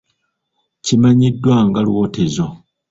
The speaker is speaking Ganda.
Kimanyiddwa nga lwotezo.